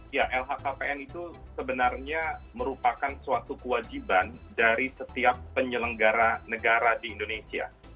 ya lhkpn itu sebenarnya merupakan suatu kewajiban dari setiap penyelenggara negara di indonesia